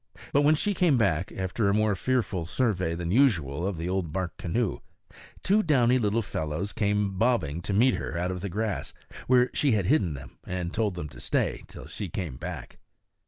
But when she came back, after a more fearful survey than usual of the old bark canoe, two downy little fellows came bobbing to meet her out of the grass, where she had hidden them and told them to stay till she came back.